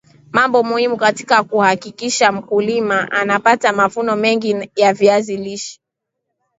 mambo muhimu katika kuhakikisha mmkulima anapata mavuno mengi ya viazi lishe